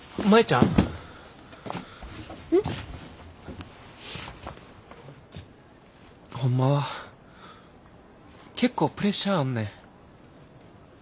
ん？ホンマは結構プレッシャーあんねん。